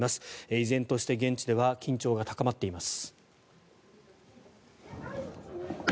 依然として現地では緊張が高まっています。